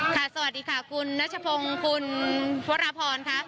สวัสดีค่ะคุณนัชพงศ์คุณวรพรค่ะ